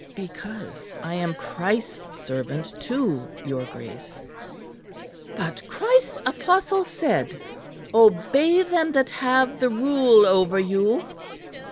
"Because I am Christ's servant too, your Grace." "But Christ's apostle said, 'Obey them that have the rule over you.'"